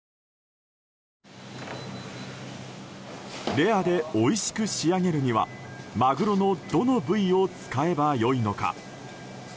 レアでおいしく仕上げるにはマグロの、どの部位を使えば良いのか。